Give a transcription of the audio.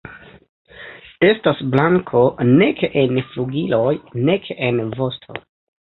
Estas blanko nek en flugiloj nek en vosto.